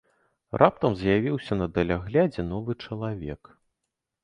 Раптам з'явіўся на даляглядзе новы чалавек.